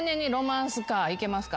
行けますか？